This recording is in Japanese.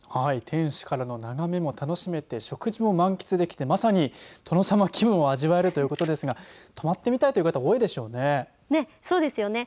天守からの眺めも楽しめて食事も満喫できてまさに、殿様気分を味わえるということですが泊まってみたいという方も多いでしょうね。ね。